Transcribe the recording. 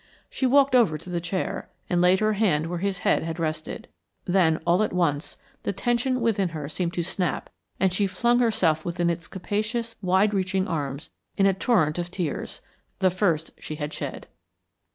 She walked over to the chair, and laid her hand where his head had rested. Then, all at once, the tension within her seemed to snap and she flung herself within its capacious, wide reaching arms, in a torrent of tears the first she had shed.